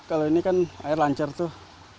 kalau ini kan air lancar tuh